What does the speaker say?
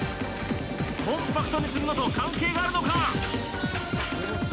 コンパクトにするのと関係があるのか